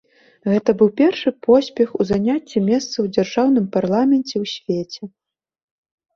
Гэта быў першы поспех у заняцці месцаў у дзяржаўным парламенце ў свеце.